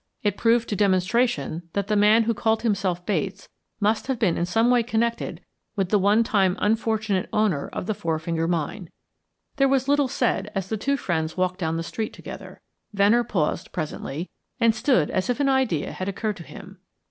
It proved to demonstration that the man who called himself Bates must have been in some way connected with the one time unfortunate owner of the Four Finger Mine. There was very little said as the two friends walked down the street together. Venner paused presently, and stood as if an idea had occurred to him.